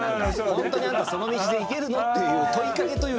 「本当にあんたその道でいけるの？」っていう問いかけというか。